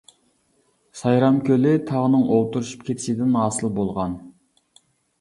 سايرام كۆلى تاغنىڭ ئولتۇرۇشۇپ كېتىشىدىن ھاسىل بولغان.